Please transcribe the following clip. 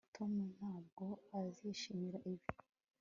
tom ntabwo azishimira ibi